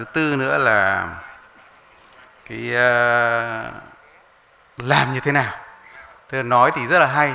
tôi nói thì rất là hay